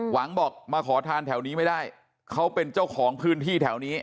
หวังบอกมาขอทานแถวนี้ไม่ได้เขาเป็นเจ้าของพื้นที่แถวนี้